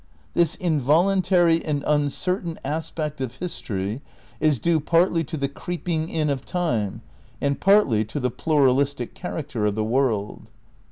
This involuntary and uncertain 156 THE NEW IDEALISM iv aspect of history is due partly to the creeping in of time and partly to the pluralistic character of the world."